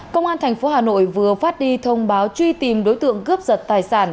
công an thành phố hà nội vừa phát đi thông báo truy tìm đối tượng cướp giật tài sản